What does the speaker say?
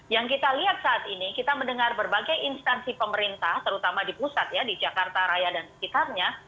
yang kita lihat saat ini kita mendengar berbagai instansi pemerintah terutama di pusat ya di jakarta raya dan sekitarnya